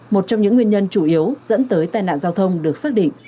một trong những nguyên nhân chủ yếu dẫn tới tai nạn giao thông được xác định